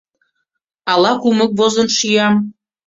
Ала кумык возын шӱям